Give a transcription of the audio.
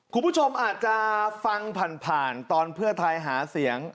คุณผู้ชมอาจจะฟังผ่านตอนเพื่อไทยหาเสียง